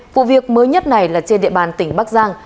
vụ việc mới nhất này là trên địa bàn tỉnh bắc giang